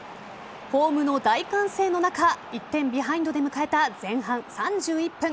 ホームの大歓声の中１点ビハインドで迎えた前半３１分。